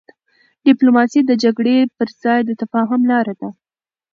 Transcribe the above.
ډيپلوماسي د جګړې پر ځای د تفاهم لاره ده.